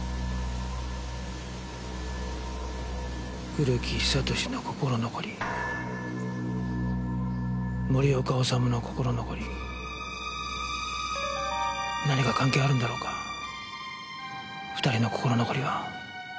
古木久俊の心残り森岡治の心残り何か関係あるんだろうか２人の心残りは。